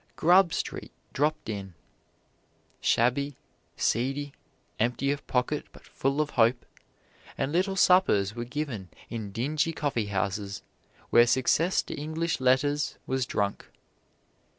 Grub Street dropped in, shabby, seedy, empty of pocket but full of hope, and little suppers were given in dingy coffeehouses where success to English letters was drunk.